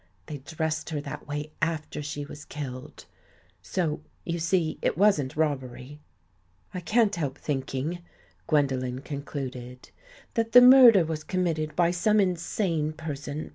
They dressed her that way after she was killed. So you see it wasn't robbery. 6 WHAT THEY FOUND IN THE ICE " I can't help thinking," Gwendolen concluded, " that the murder was committed by some Insane per son.